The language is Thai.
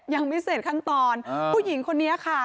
ยังไม่เสร็จขั้นตอนผู้หญิงคนนี้ค่ะ